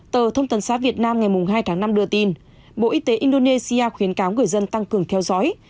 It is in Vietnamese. tờ thông tấn xã việt nam ngày hai tháng năm đưa tin bộ y tế indonesia khuyến cáo người dân tăng cường theo dõi